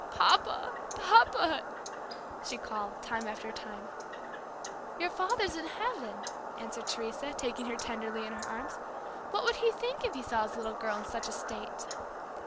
"Papa! papa," she called, time after time. "Your father's in heaven," answered Teresa, taking her tenderly in her arms. "What would he think if he saw his little girl in such a state?"